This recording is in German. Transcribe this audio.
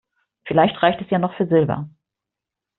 Vielleicht reicht es ja noch für Silber.